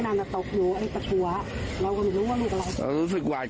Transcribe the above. นาตกอยู่ไอ้กระกัวเราก็ไม่รู้ว่ามีอะไรเรารู้สึกหวาด